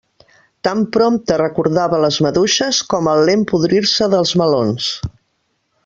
Tan prompte recordava les maduixes com el lent podrir-se dels melons.